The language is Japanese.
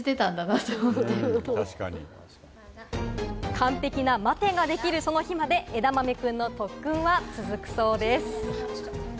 完璧な「待て」ができるその日まで、えだまめくんの特訓は続くそうです。